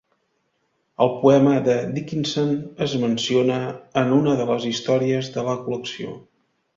El poema de Dickinson es menciona en una de les històries de la col·lecció.